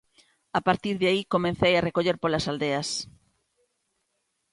A partir de aí comecei a recoller polas aldeas.